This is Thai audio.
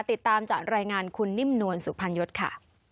ติดตามจากรายงานคุณนิ่มนวลสุพรรณยศค่ะ